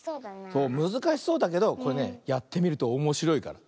そうむずかしそうだけどこれねやってみるとおもしろいから。